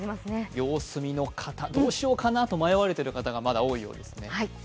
様子見の方、どうしようかなと迷われている方が多いようですね。